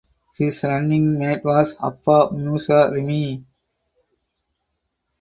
His running mate was Abba Musa Rimi.